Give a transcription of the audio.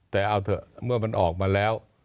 แต่เอาเถอะเมื่อมันออกมาแล้ว